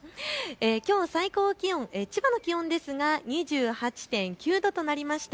きょう最高気温、千葉の気温ですが２８．９度となりました。